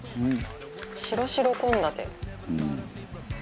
白々献立。